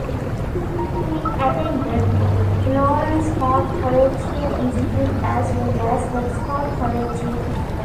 He attended Lawrence Park Collegiate Institute as well as Wexford Collegiate Institute.